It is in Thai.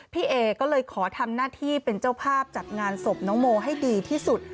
พี่เอก็เลยขอทำหน้าที่เป็นเจ้าภาพจัดงานศพน้องโมให้ดีที่สุด